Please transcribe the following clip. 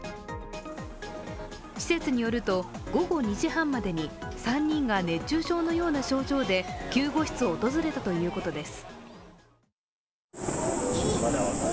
施設によると午後２時半までに３人が熱中症のような症状で救護室を訪れたということです。